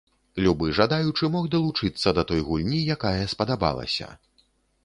Любы жадаючы мог далучыцца да той гульні, якая спадабалася.